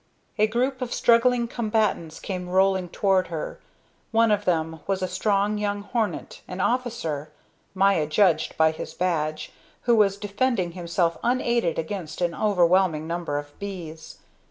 A group of struggling combatants came rolling toward her. One of them was a strong young hornet, an officer, Maya judged by his badge, who was defending himself unaided against an overwhelming number of bees.